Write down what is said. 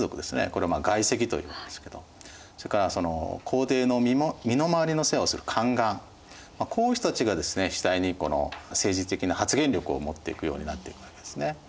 これを外戚というんですけどそれから皇帝の身の回りの世話をする宦官こういう人たちがですね次第にこの政治的な発言力を持っていくようになっていくわけですね。